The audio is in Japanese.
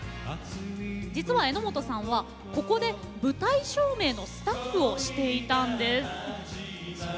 実は榎本さんはここで舞台照明のスタッフをしていたんです。